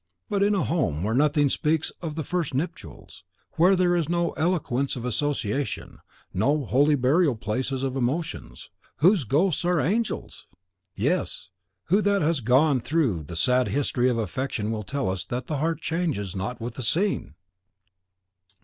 But in a home where nothing speaks of the first nuptials, where there is no eloquence of association, no holy burial places of emotions, whose ghosts are angels! yes, who that has gone through the sad history of affection will tell us that the heart changes not with the scene!